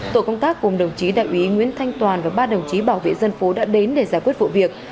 tổ công tác cùng đồng chí đại úy nguyễn thanh toàn và ba đồng chí bảo vệ dân phố đã đến để giải quyết vụ việc